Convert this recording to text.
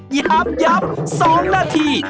ย้ำ๒นาที